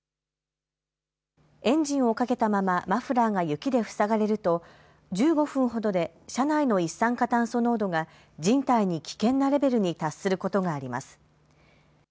エンジンをかけたままマフラーが雪で塞がれると１５分ほどで車内の一酸化炭素濃度が人体に危険なレベルに達することがあります。